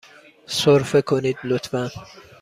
سرفه کنید، لطفاً.